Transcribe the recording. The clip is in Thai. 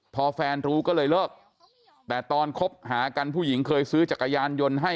พอแฟนรู้ก็เลยเลิกแต่ตอนคบหากันผู้หญิงเคยซื้อจักรยานยนต์ให้